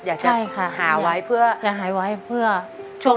คุณยายแดงคะทำไมต้องซื้อลำโพงและเครื่องเสียง